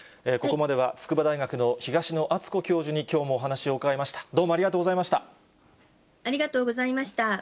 ここまでは筑波大学の東野篤子教授にきょうもお話を伺いました。